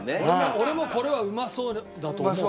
俺もこれはうまそうだと思う。